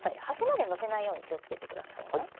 端までのせないように気をつけてくださいね。